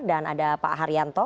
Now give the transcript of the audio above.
dan ada pak haryanto